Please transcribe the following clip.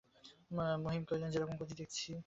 মহিম কহিলেন, যেরকম গতিক দেখছি কিছু তো বলা যায় না।